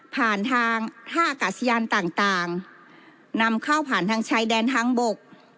ผ่านทางท่าอากาศยานต่างนำเข้าผ่านทางชายแดนทางบก